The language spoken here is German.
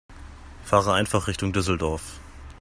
Fahre einfach Richtung Düsseldorf